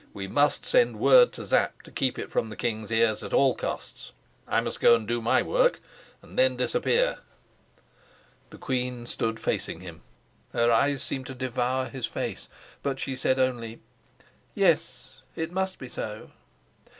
We must send word to Sapt to keep it from the king's ears at all costs: I must go and do my work, and then disappear." The queen stood facing him. Her eyes seemed to devour his face; but she said only: "Yes, it must be so."